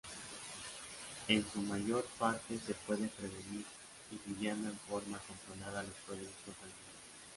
En su mayor parte se puede prevenir irradiando en forma controlada los productos sanguíneos.